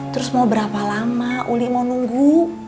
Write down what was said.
terus mau berapa lama uli mau nunggu